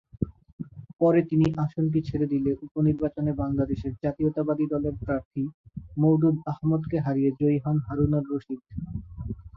পরে তিনি আসনটি ছেড়ে দিলে উপনির্বাচনে বাংলাদেশ জাতীয়তাবাদী দলের প্রার্থী মওদুদ আহমদকে হারিয়ে জয়ী হন হারুনুর রশিদ।